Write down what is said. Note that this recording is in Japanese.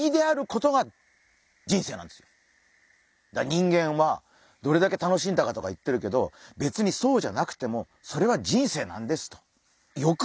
人間はどれだけ楽しんだかとか言ってるけど別にそうじゃなくてもそれは人生なんですと。